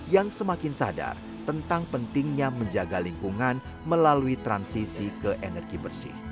yang semakin sadar tentang pentingnya menjaga lingkungan melalui transisi ke energi bersih